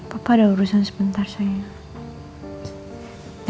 papa ada urusan sebentar saya